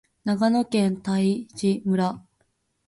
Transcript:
長野県泰阜村